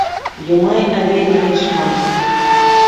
Йомай әбей ныҡышманы.